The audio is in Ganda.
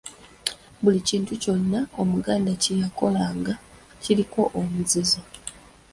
Buli kintu kyonna Omuganda kye yakolanga kiriko omuzizo